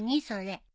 それ。